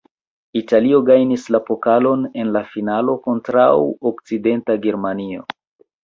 Italio gajnis la pokalon en la finalo kontraŭ Okcidenta Germanio.